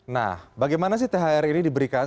nah bagaimana sih thr ini diberikan